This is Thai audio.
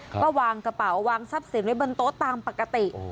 ก็วางกระเป๋าวางทรัพย์สินไว้บนโต๊ะตามปกติ